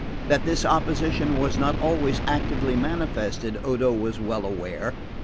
That this opposition was not always actively manifested Odo was well aware.